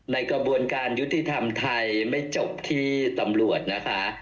กระบวนการยุติธรรมไทยไม่จบที่ตำรวจนะคะ